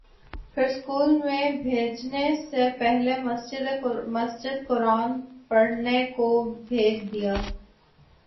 پھر اسکول میں بھیجنے سے پہلے مسجد قرآن پڑھنے کو بھیج دیا